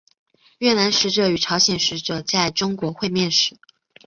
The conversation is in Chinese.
越南使者与朝鲜使者在中国会面时。